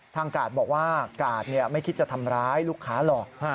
กาดบอกว่ากาดไม่คิดจะทำร้ายลูกค้าหรอก